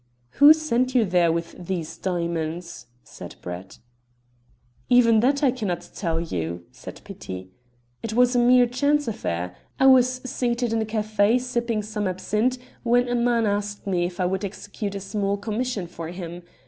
"Who sent you there with the diamonds?" said Brett. "Even that I cannot tell you," said Petit. "It was a mere chance affair. I was seated in a café sipping some absinthe when a man asked me if I would execute a small commission for him.